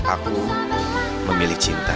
aku memilih cinta